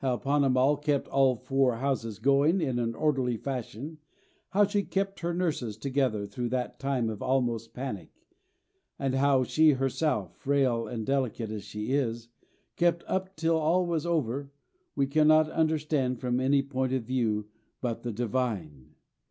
How Ponnamal kept all four houses going in an orderly fashion, how she kept her nurses together through that time of almost panic, and how she herself, frail and delicate as she is, kept up till all was over, we cannot understand from any point of view but the Divine.